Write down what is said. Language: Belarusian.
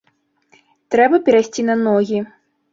Трэба перайсці на ногі!